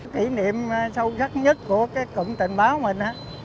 kỷ niệm sâu gắt nhất của cái cụm tình báo mình á